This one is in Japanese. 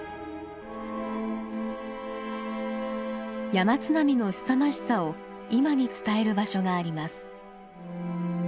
山津波のすさまじさを今に伝える場所があります。